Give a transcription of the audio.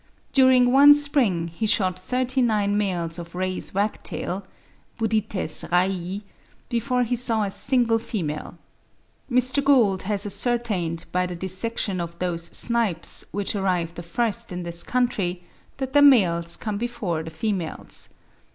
During one spring he shot thirty nine males of Ray's wagtail (Budytes Raii) before he saw a single female. Mr. Gould has ascertained by the dissection of those snipes which arrive the first in this country, that the males come before the females.